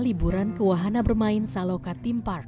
liburan ke wahana bermain saloka theme park